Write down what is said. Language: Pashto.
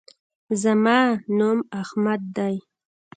زما نوم احمد دی